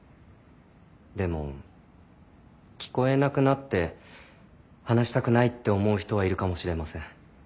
でも聞こえなくなって話したくないって思う人はいるかもしれません。